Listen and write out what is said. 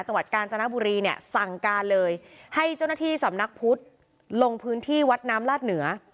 จังหวัดกาญจนบุรีเนี่ยสั่งการเลยให้เจ้าหน้าที่สำนักพุทธลงพื้นที่วัดน้ำลาดเหนือ